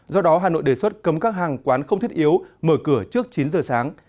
do đó hà nội đề xuất cấm các hàng quán không thiết yếu mở cửa trước chín giờ sáng